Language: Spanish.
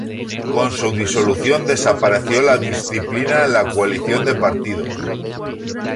Con su disolución desapareció la disciplina en la coalición de partidos.